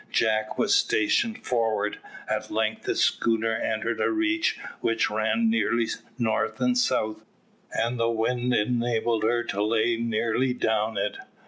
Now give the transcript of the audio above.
Jack was stationed forward. At length the schooner entered a reach which ran nearly north and south, and the wind enabled her to lay nearly down it.